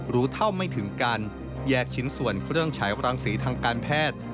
รู้เท่าไม่ถึงการแยกชิ้นส่วนเครื่องใช้รังสีทางการแพทย์